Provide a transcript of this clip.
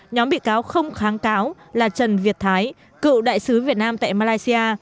nhóm bị cáo không kháng cáo là trần việt thái cựu đại sứ việt nam tại malaysia